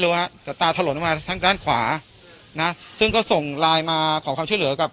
รู้ฮะก็ตาถล่นมาทั้งด้านขวานะซึ่งเขาส่งลายมาขอความชื่อเหลือกับ